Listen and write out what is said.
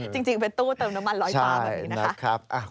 จริงเป็นตู้เติมน้ำมันลอยฟ้าแบบนี้นะคะ